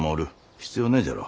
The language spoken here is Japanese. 必要ねえじゃろう。